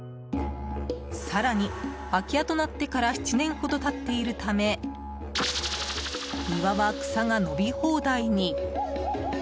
更に、空き家となってから７年ほど経っているため庭は草が伸び放題に。